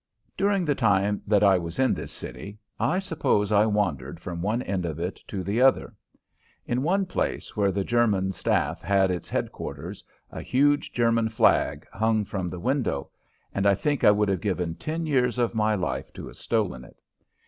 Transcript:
During the time that I was in this city I suppose I wandered from one end of it to the other. In one place, where the German staff had its headquarters, a huge German flag hung from the window, and I think I would have given ten years of my life to have stolen it.